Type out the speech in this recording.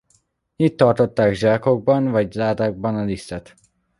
Itt tartották zsákokban vagy ládákban a lisztet.